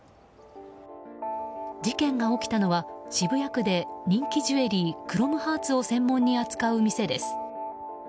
事件が起きたのは渋谷区で、人気ジュエリークロムハーツを専門に扱う店です。